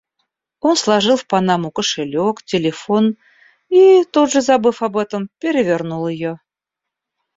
Он сложил в панаму кошелёк, телефон и, тут же забыв об этом, перевернул её.